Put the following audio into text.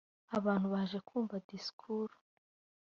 abantu baje kumva disikuru